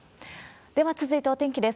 では続いて、お天気です。